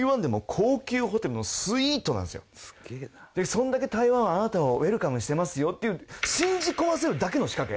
それだけ台湾はあなたをウェルカムしてますよっていう信じ込ませるだけの仕掛け。